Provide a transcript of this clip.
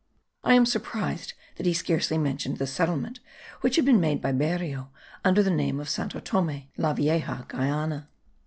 I am surprised, that he scarcely mentions the settlement, which had been made by Berrio under the name of Santo Thome (la Vieja Guayana.)